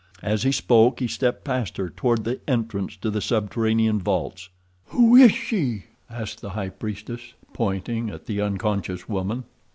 As he spoke he stepped past her toward the entrance to the subterranean vaults. "Who is she?" asked the high priestess, pointing at the unconscious woman.